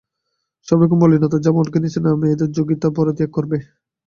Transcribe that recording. সব রকমের মলিনতা, যা মনকে নীচে নামিয়ে দেয়, যোগী তা পরিত্যাগ করবে।